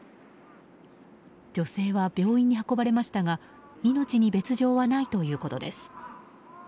女性は病院に運ばれましたが命に別条はないということです。